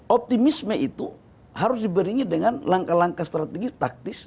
optimisme itu harus diberinya dengan langkah langkah strategis taktis